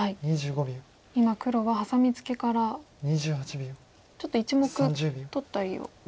今黒はハサミツケからちょっと１目取ったりをしようと。